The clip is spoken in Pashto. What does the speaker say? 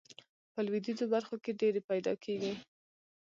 په لویدیځو برخو کې ډیرې پیداکیږي.